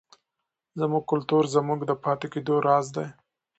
زموږ کلتور زموږ د پاتې کېدو راز دی.